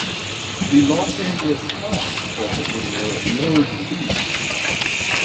The "Los Angeles Times" called the premiere "low-key".